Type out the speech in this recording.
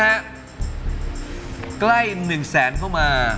ใกล้๑แสนเข้ามา